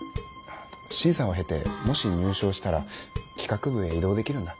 審査を経てもし入賞したら企画部へ異動できるんだ。